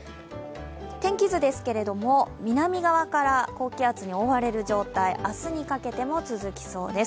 天気図ですけども、南側から高気圧に覆われる状態、明日にかけても続きそうです。